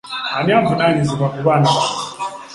Ani avunaanyizibwa ku baana bano?